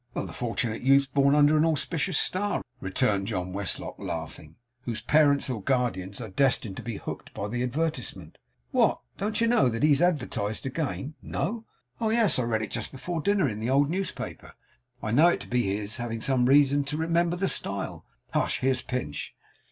'The fortunate youth, born under an auspicious star,' returned John Westlock, laughing; 'whose parents, or guardians, are destined to be hooked by the advertisement. What! Don't you know that he has advertised again?' 'No.' 'Oh, yes. I read it just before dinner in the old newspaper. I know it to be his; having some reason to remember the style. Hush! Here's Pinch.